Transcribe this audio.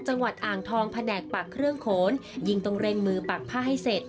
จังหวัดอ่างทองแผนกปักเครื่องโขนยิ่งต้องเร่งมือปักผ้าให้เสร็จ